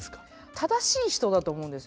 正しい人だと思うんですよ